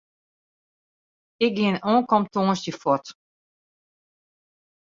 Ik gean ankom tongersdei fuort.